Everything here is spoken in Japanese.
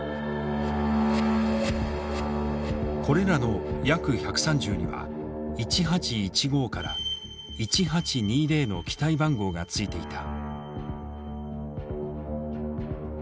これらのＹａｋ−１３０には１８１５から１８２０の機体番号がついていた。